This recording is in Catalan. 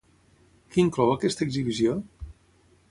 Què inclou aquesta exhibició?